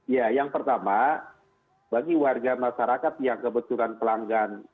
ya yang pertama bagi warga masyarakat yang kebetulan pelanggan